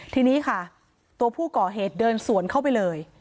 ทีนี้ค่ะตัวผู้ก่อเหตุเดินสวนเข้าไปเลย